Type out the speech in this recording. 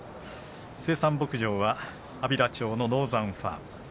生産牧場は安平町のノーザンファーム。